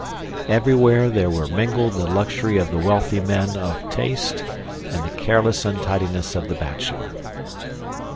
Everywhere there were mingled the luxury of the wealthy man of taste and the careless untidiness of the bachelor.